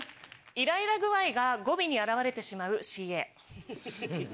「イライラ具合が語尾に表れてしまうＣＡ」。